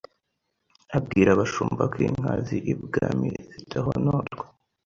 abwira abashumba ko inka zi i Bwami zidahonorwa